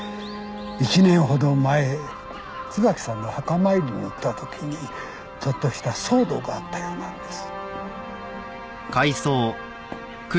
１年ほど前椿さんの墓参りに行ったときにちょっとした騒動があったようなんです。